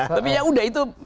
tapi ya sudah itu